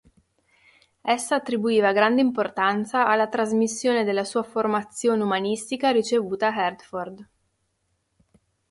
Essa attribuiva grande importanza alla trasmissione della sua formazione umanistica ricevuta a Herford.